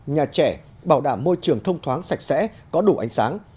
nhà trẻ bảo đảm môi trường thông thoáng sạch sẽ có đủ ánh sáng